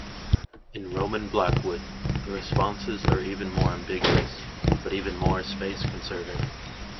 In Roman Blackwood, the responses are even more ambiguous, but more space-conserving.